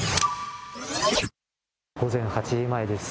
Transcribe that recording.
午前８時前です。